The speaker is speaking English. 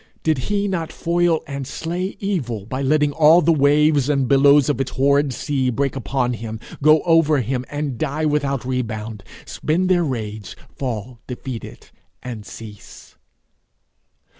Did he not foil and slay evil by letting all the waves and billows of its horrid sea break upon him, go over him, and die without rebound spend their rage, fall defeated, and cease?